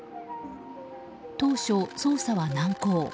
当初、捜査は難航。